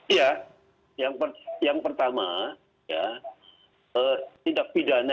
apa yang kemudian harus dibuktikan dari ini pak fikar menurut anda